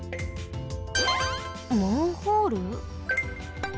マンホール？